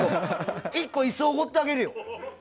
１個、椅子をおごってあげるよ。